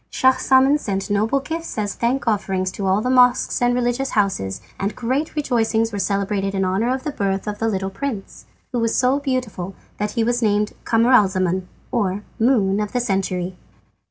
Schahzaman sent noble gifts as thank offerings to all the mosques and religious houses, and great rejoicings were celebrated in honour of the birth of the little prince, who was so beautiful that he was named Camaralzaman, or "Moon of the Century."